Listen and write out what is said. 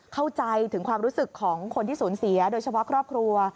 เข้าใจถึงความรู้สึกของคนที่สูญเสียโดยเฉพาะครอบครัว